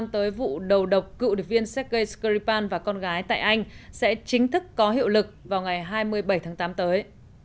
tới vụ đầu độc cựu điệp viên sergei skripal và con gái tại anh sẽ chính thức có hiệu lực vào ngày hai mươi bảy tháng tám tới